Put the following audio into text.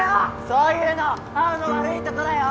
そういうの青の悪いとこだよ。